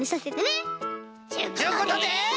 ちゅうことで！